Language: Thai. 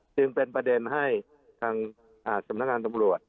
ซึ่งเป็นประเด็นให้ทางสมรรถการตำรวจ